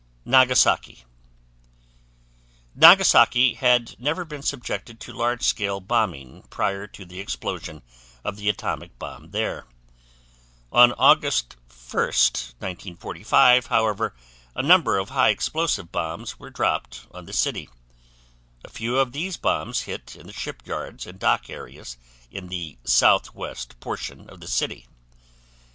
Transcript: Nagasaki Nagasaki had never been subjected to large scale bombing prior to the explosion of the atomic bomb there. On August 1st, 1945, however, a number of high explosive bombs were dropped on the city. A few of these bombs hit in the shipyards and dock areas in the southwest portion of the city.